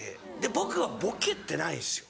僕はボケてないんですよ。